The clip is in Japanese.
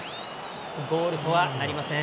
ゴールとはなりません。